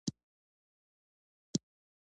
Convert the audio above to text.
پامیر د افغانستان د شنو سیمو ښکلا ده.